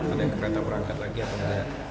ada kereta berangkat lagi atau tidak